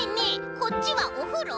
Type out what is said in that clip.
こっちはおふろ？」。